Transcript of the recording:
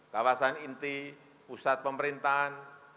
kawasan inti pusat pemerintahan